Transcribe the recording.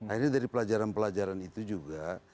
akhirnya dari pelajaran pelajaran itu juga